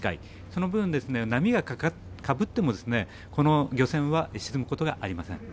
その分、波がかぶってもこの漁船は沈むことがありません。